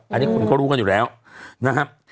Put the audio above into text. อันนี้คนเขารู้กันอยู่แล้วนะครับ